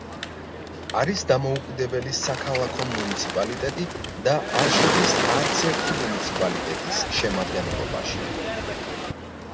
არის დამოუკიდებელი საქალაქო მუნიციპალიტეტი და არ შედის არც ერთი მუნიციპალიტეტის შემადგენლობაში.